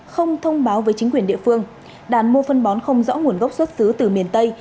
không thông báo với chính quyền địa phương đàn mua phân bón không rõ nguồn gốc xuất xứ từ miền tây